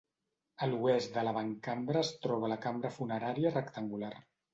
A l'oest de l'avantcambra es troba la cambra funerària rectangular.